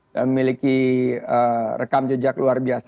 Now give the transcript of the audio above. dan memiliki rekam jejak luar biasa